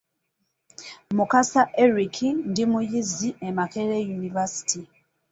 Mukasa Eric ndi muyizi e Makekere University.